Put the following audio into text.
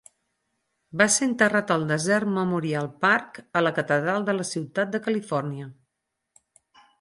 Va ser enterrat al desert Memorial Park a la catedral de la ciutat de Califòrnia.